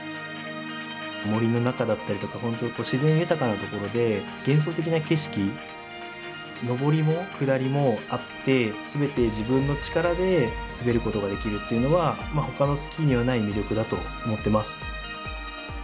森の中だったりとか本当、自然豊かなところで幻想的な景色上りも下りもあってすべて自分の力で滑ることができるっていうのはほかのスキーにはない魅力だと思ってます。